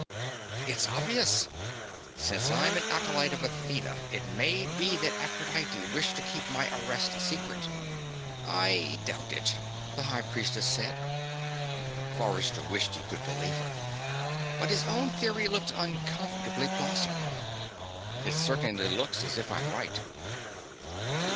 "It's obvious. Since I'm an acolyte of Athena, it may be that Aphrodite wished to keep my arrest secret." "I doubt it," the High Priestess said. Forrester wished he could believe her. But his own theory looked uncomfortably plausible. "It certainly looks as if I'm right."